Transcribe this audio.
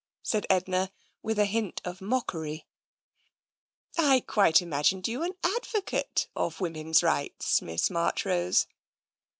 " said Edna, with a hint of mockery. " I quite imagined you an advocate of woman's rights. Miss Marchrose."